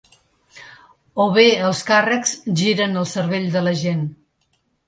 O bé, els càrrecs giren el cervell de la gent.